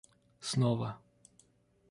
снова